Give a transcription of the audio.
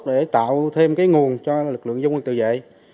để tạo thêm cái nguồn cho lực lượng dân quân tự vệ